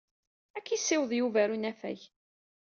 Ad k-yessiweḍ Yuba ɣer unafag.